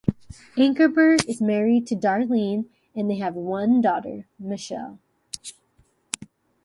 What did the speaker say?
Ankerberg is married to Darlene and they have one daughter, Michelle.